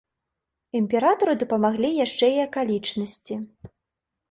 Імператару дапамаглі яшчэ і акалічнасці.